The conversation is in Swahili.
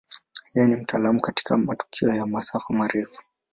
Yeye ni mtaalamu katika matukio ya masafa marefu.